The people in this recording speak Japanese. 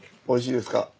おいしいですか？